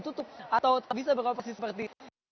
tutup atau tak bisa beroperasi seperti